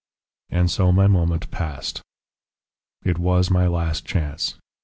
"And so my moment passed. "It was my last chance.